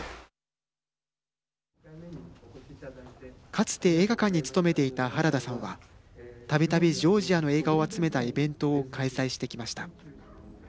かつて映画館に勤めていたはらださんはたびたび、ジョージアの映画を集めたイベントを開催してきました。